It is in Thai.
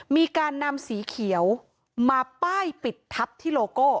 มีการนำสีเขียวมาป้ายปิดทับที่โลโก้